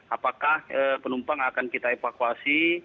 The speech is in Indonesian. apakah penumpang akan kita evakuasi